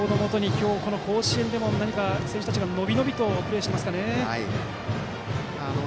今日、甲子園でも何か選手たちが伸び伸びとプレーしていますね。